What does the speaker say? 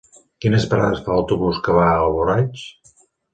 Quines parades fa l'autobús que va a Alboraig?